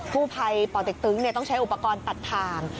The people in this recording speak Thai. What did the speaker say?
ผู้ภัยป่อเต็กตึงต้องใช้อุปกรณ์ตัดทาง